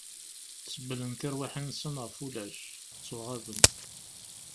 Sebblen tirwiḥin-nsen ɣef ulac... ttuɣaḍen!